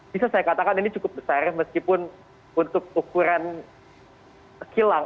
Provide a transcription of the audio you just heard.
bisa saya katakan ini cukup besar meskipun untuk ukuran kilang